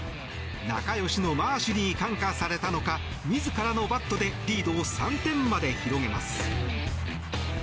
仲よしのマーシュに感化されたのか自らのバットでリードを３点まで広げます。